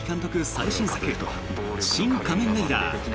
最新作「シン・仮面ライダー」。